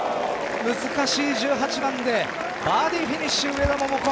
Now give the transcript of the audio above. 難しい１８番でバーディーフィニッシュ上田桃子。